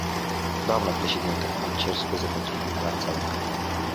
Doamnă președintă, îmi cer scuze pentru ignoranța mea.